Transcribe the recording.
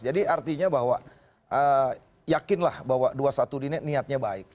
jadi artinya bahwa yakinlah bahwa dua ratus dua belas ini niatnya baik